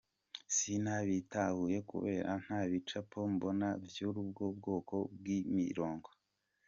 Sina bitahuye kubera ntabicapo mbona vyurubwo bwoko bwimirongo.